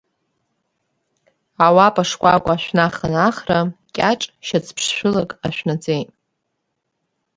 Ауапа шкәакәа ашәнахын ахра, Кьаҿ шьацԥшшәылак ашәнаҵеит.